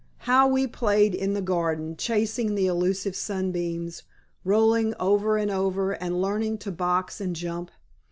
How we played in the garden, chasing the elusive sunbeams, rolling over and over, and learning to box and jump!